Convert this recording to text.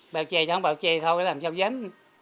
bao che thì không bao che thôi làm sao dám